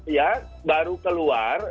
ya baru keluar